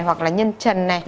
hoặc là nhân trần này